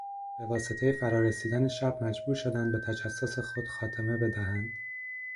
به واسطهی فرا رسیدن شب مجبور شدند به تجسس خود خاتمه بدهند.